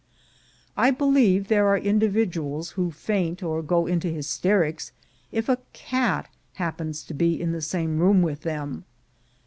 I believe there are individuals who faint or go into hysterics if a cat happens to be in the same room with them.